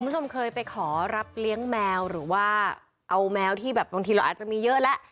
คุณผู้ชมเคยไปขอรับเลี้ยงแมวหรือว่าเอาแมวที่แบบบางทีเราอาจจะมีเยอะแล้ว